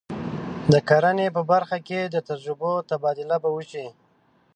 د کرنې په برخه کې د تجربو تبادله به وشي.